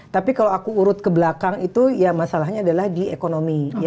tapi kalau aku urut ke belakang itu ya masalahnya adalah di ekonomi